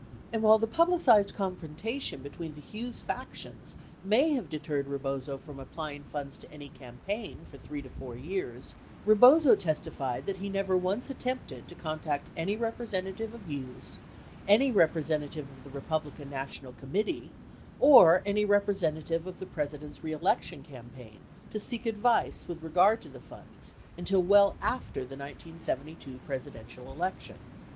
And while the publicized confrontation between the Hughes fac tions may have deterred Rebozo from applying the funds to any cam 1069 paign for 3 to 4 years, Rebozo testified that he never once attempted to contact any representative of Hughes, any representative of the Repub lican National Committee, or any representative of the President's re election campaign to seek advice with regard to the funds until well after. the 1972 Presidential election.